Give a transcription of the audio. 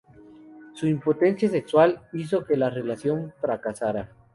Su impotencia sexual hizo que la relación fracasara.